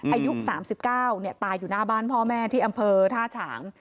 อายุ๓๙ตายอยู่หน้าบ้านพ่อแม่ที่อำเภอท่าฉาง